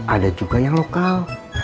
ada juga yang lokal